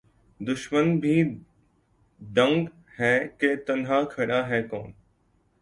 دُشمن بھی دنگ ہے کہ یہ تنہا کھڑا ہے کون